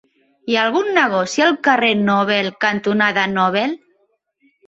Hi ha algun negoci al carrer Nobel cantonada Nobel?